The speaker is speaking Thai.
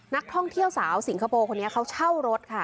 นักท่องเที่ยวสาวสิงคโปร์คนนี้เขาเช่ารถค่ะ